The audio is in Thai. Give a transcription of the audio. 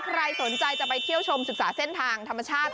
ใครสนใจจะไปเที่ยวชมศึกษาเส้นทางธรรมชาติ